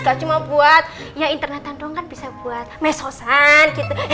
kalau cuma buat ya internetan doang kan bisa buat mesosan gitu